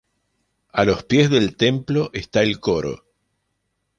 A los pies del templo está el coro.